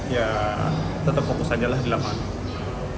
ya tetap fokus saja di lapangan